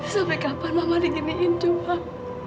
sampai kapan mama diginiin jomar